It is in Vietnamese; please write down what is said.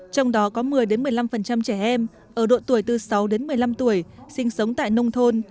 trong đó có một mươi một mươi năm trẻ em ở độ tuổi từ sáu đến một mươi năm tuổi sinh sống tại nông thôn